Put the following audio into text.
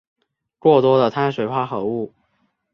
过多的碳水化合物